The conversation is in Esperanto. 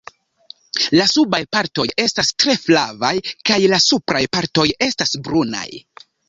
La subaj partoj estas tre flavaj kaj la supraj partoj estas brunaj.